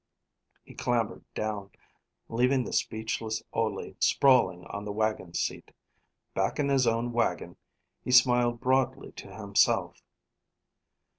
'" He clambered down, leaving the speechless Ole sprawling on the wagon seat. Back in his own wagon, he smiled broadly to himself.